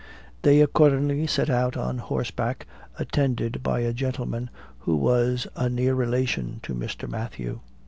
They accordingly set out on horseback, attended by a gentleman who was a near relation to Mr. Matthew.